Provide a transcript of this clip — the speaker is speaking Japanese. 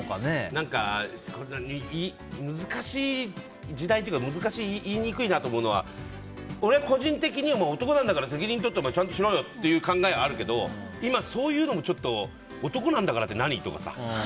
何か難しい時代というか難しい言いにくいなと思うのは俺は個人的に、男なんだから責任取ってちゃんとしろよっていう考えはあるけど今、そういうのも男なんだからって何？とかさ。